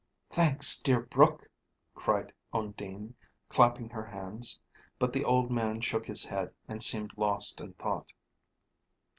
"Thanks, dear brook!" cried Undine, clapping her hands. But the old man shook his head, and seemed lost in thought.